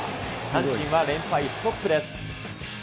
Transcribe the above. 阪神は連敗ストップです。